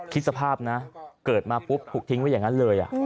คิดสภาพนะเกิดมาปุ๊บถูกทิ้งไว้อย่างนั้นเลย